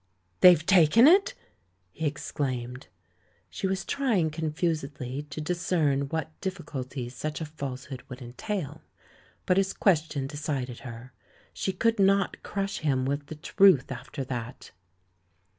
"They've taken it?" he exclaimed. She was trying confusedly to discern what dif ficulties such a falsehood would entail, but his question decided her — she could not crush him with the truth after that